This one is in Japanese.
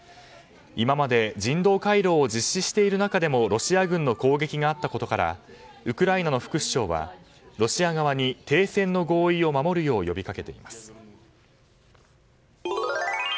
今まで人道回廊を実施している中でもロシア軍の攻撃があったことからウクライナの副首相はロシア側に停戦の合意を守るよう呼びかけています。